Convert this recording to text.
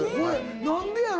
何でやろ？